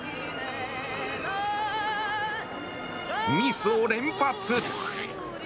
ミスを連発。